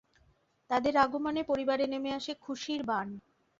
তাদের আগমনে পরিবারে নেমে আসে খুশির বান।